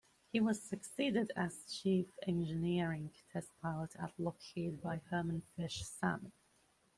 He was succeeded as chief engineering test pilot at Lockheed by Herman "Fish" Salmon.